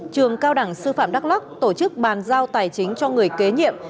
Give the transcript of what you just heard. trường cao đẳng sư phạm đắk lắc tổ chức bàn giao tài chính cho người kế nhiệm